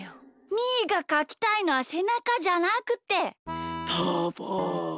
みーがかきたいのはせなかじゃなくて。